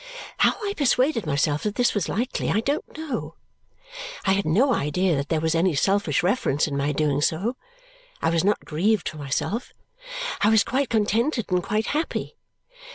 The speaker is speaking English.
How I persuaded myself that this was likely, I don't know. I had no idea that there was any selfish reference in my doing so. I was not grieved for myself: I was quite contented and quite happy.